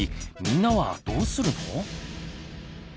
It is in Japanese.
みんなはどうするの？